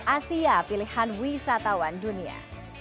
asia pilihan wisatawan dunia